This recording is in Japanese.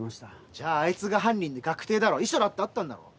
じゃああいつが犯人で確定だろ遺書だってあったんだろ？